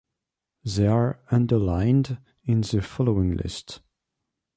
They are underlined in the following list.